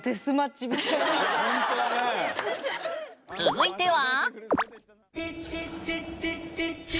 続いては？